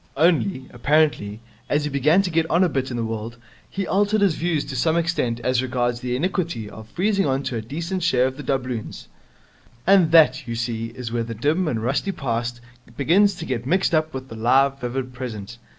Only, apparently, as he began to get on a bit in the world, he altered his views to some extent as regards the iniquity of freezing on to a decent share of the doubloons. And that, you see, is where the dim and rusty past begins to get mixed up with the live, vivid present.